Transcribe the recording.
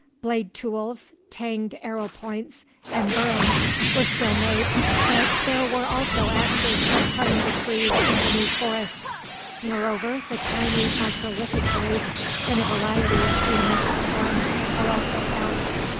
Blade tools, tanged arrow points, and burins were still made, but there were also axes for cutting the trees in the new forests. Moreover, the tiny microlithic blades, in a variety of geometric forms, are also found.